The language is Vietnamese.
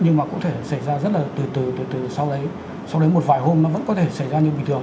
thì nó sẽ xảy ra rất là từ từ từ từ sau đấy sau đấy một vài hôm nó vẫn có thể xảy ra như bình thường